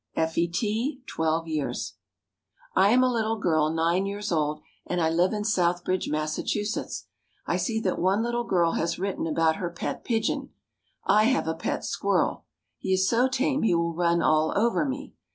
EFFIE T. (twelve years). I am a little girl nine years old, and I live in Southbridge, Massachusetts. I see that one little girl has written about her pet pigeon. I have a pet squirrel. He is so tame he will run all over me.